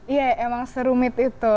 iya emang serumit itu